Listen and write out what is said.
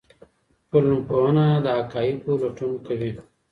ټولنپوهنه د حقایقو لټون کوي.